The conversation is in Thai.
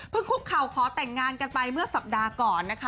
คุกเข่าขอแต่งงานกันไปเมื่อสัปดาห์ก่อนนะคะ